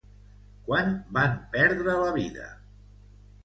Quan van perdre la vida?